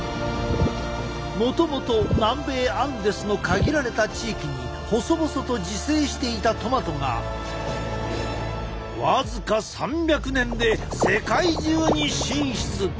もともと南米アンデスの限られた地域に細々と自生していたトマトが僅か３００年で世界中に進出！